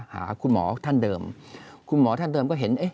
หาคุณหมอท่านเดิมคุณหมอท่านเดิมก็เห็นเอ๊ะ